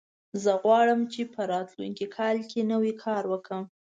زه غواړم چې په راتلونکي کال کې نوی کار وکړم